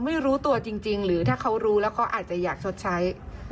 ไม่รู้ตัวจริงหรือถ้าเขารู้แล้วเขาอาจจะอยากชดใช้